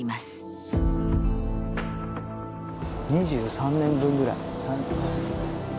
２３年分ぐらい。